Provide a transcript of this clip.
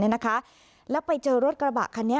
อันดับที่สุดท้าย